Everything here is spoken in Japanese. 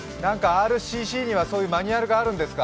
ＲＣＣにはそういうマニュアルがあるんですか？